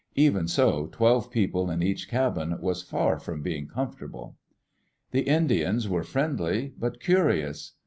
Even so, twelve people in each cabin was far from being comfortable. The Indians were friendly, but curious.